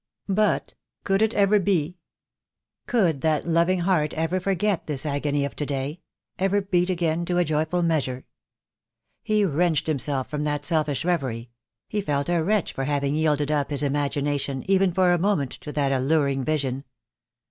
But could it ever be? Could that loving heart ever forget this agony of to day — ever beat again to a joyful measure? He wrenched himself from that selfish reverie; he felt a wretch for having yielded up his imagination, even for a moment, to that alluring vision.